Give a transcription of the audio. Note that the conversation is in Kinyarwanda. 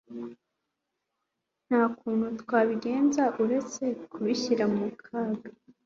Nta kundi twabigenza uretse kubishyira mu kaga